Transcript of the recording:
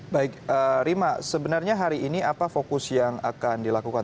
baik rima sebenarnya hari ini apa fokus yang akan dilakukan